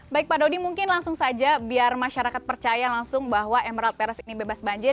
baik pak dodi mungkin langsung saja biar masyarakat percaya langsung bahwa emerald perez ini bebas banjir